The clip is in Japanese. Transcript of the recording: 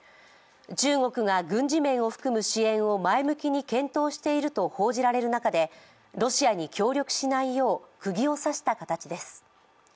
中国が軍事面を含む支援を前向きに検討していると報じられる中でロシアに協力しないようクギを刺した形です。